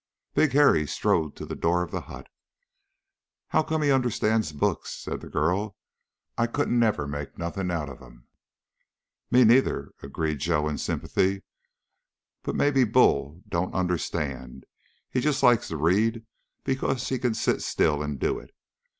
Big Harry strode to the door of the hut. "How come he understands books?" said the girl. "I couldn't never make nothing out of 'em." "Me neither," agreed Joe in sympathy. "But maybe Bull don't understand. He just likes to read because he can sit still and do it.